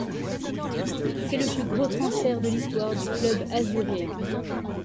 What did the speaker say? C'est le plus gros transfert de l'histoire du club azuréen.